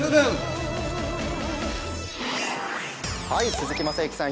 ⁉鈴木雅之さん